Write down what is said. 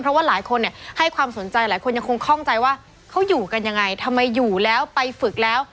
เพราะว่าหลายคนเนี่ยให้ความสนใจหลายคนยังคงคล่องใจว่าเขาอยู่กันยังไงทำไมอยู่แล้วไปฝึกแล้ว